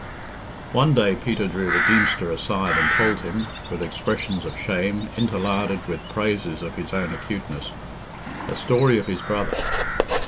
One day Peter drew the Deemster aside and told him (with expressions of shame, interlarded with praises of his own acuteness) a story of his brother.